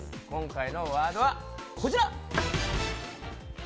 今回のワードは、こちら！